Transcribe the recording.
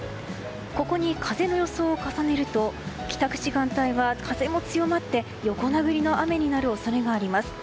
ここに風の予想を重ねると帰宅時間帯は風も強まって横殴りの雨になる恐れがあります。